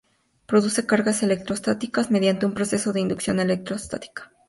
Produce cargas electrostáticas mediante un proceso de inducción electrostática.